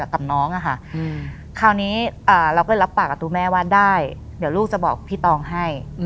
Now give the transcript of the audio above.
คราวนี้เราก็รับปากกับตูแม่ว่าได้เดี๋ยวลูกจะบอกพี่ตองให้